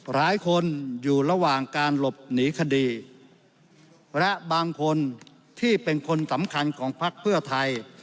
หลายคนอยู่ระหว่างการหลบหนีคดีและบางคนที่เป็นคนสำคัญของภักดิ์เพื่อไทย